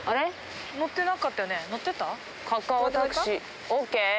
乗ってなかったよね乗ってた？